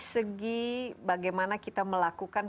segi bagaimana kita melakukan